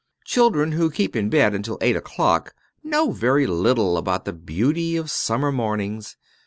Children who keep in bed until eight o'clock know very little about the beauty of summer mornings.